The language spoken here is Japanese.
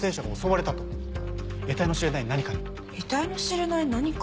「えたいの知れない何か」？